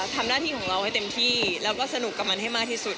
ทำหน้าที่ของเราให้เต็มที่แล้วก็สนุกกับมันให้มากที่สุด